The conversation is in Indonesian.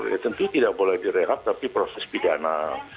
ya tentu tidak boleh direhab tapi proses pidana